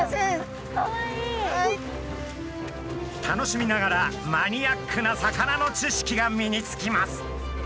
楽しみながらマニアックな魚の知識が身につきます。